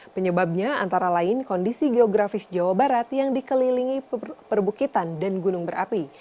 penyebabnya antara lain kondisi geografis jawa barat yang dikelilingi perbukitan dan gunung berapi